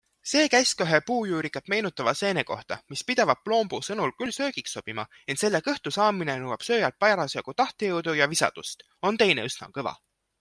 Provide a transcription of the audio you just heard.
See käis ka ühe puujuurikat meenutava seene kohta, mis pidavat Ploompuu sõnul küll söögiks sobima, ent selle kõhtu saamine nõuab sööjalt parasjagu tahtejõudu ja visadust - on teine üsna kõva.